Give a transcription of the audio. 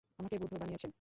আমাকে বুদ্ধু বানিয়েছেন।